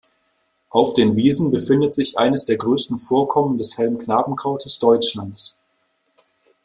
Auf den Wiesen befindet sich eines der größten Vorkommen des Helm-Knabenkrautes Deutschlands.